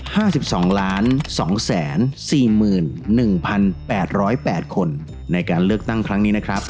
ห้าสิบสองล้านสองแสนสี่หมื่นหนึ่งพันแปดร้อยแปดคนในการเลือกตั้งครั้งนี้นะครับ